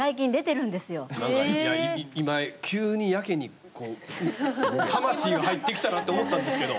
今急にやけに魂が入ってきたなって思ったんですけど。